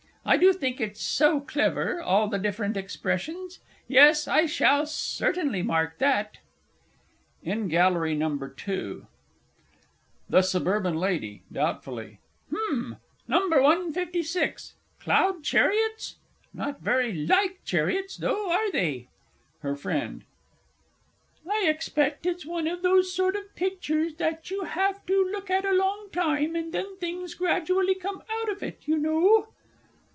I do think it's so clever all the different expressions. Yes, I shall certainly mark that! IN GALLERY NO. II. THE S. L. (doubtfully). H'm, No. 156. "Cloud Chariots"? Not very like chariots, though, are they? HER FRIEND. I expect it's one of those sort of pictures that you have to look at a long time, and then things gradually come out of it, you know.